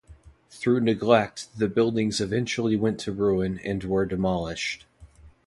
Through neglect the buildings eventually went to ruin and were demolished.